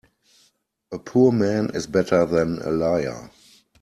A poor man is better than a liar.